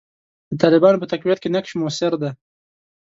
د طالبانو په تقویت کې نقش موثر دی.